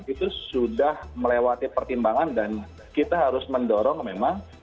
itu sudah melewati pertimbangan dan kita harus mendorong memang